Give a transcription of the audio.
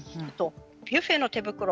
ビュッフェの手袋。